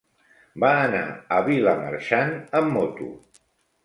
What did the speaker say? Va anar a Vilamarxant amb moto.